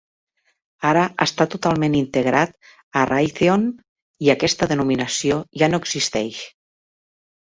Ara està totalment integrat a Raytheon i aquesta denominació ja no existeix.